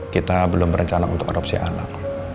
kita belum berencana untuk adopsi anak